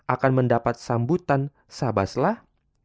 akan mendapat sambutan sabaslah